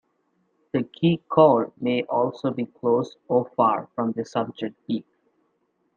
The key col may also be close or far from the subject peak.